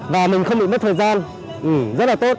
và mình không bị mất thời gian rất là tốt